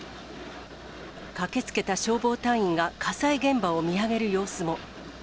駆けつけた消防隊員が火災現場を見上げる様子も。